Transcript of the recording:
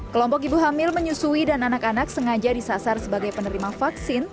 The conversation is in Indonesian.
kelompok ibu hamil menyusui dan anak anak sengaja disasar sebagai penerima vaksin